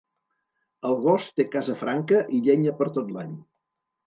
El gos té casa franca i llenya per tot l'any.